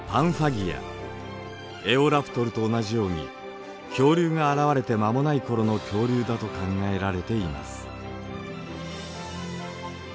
エオラプトルと同じように恐竜が現れて間もない頃の恐竜だと考えられています。